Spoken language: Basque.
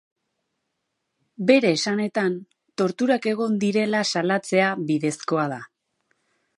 Bere esanetan, torturak egon direla salatzea bidezkoa da.